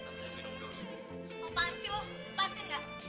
apaan sih lo pasti gak